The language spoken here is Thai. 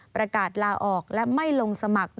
ประกาศลาออกและไม่ลงสมัคร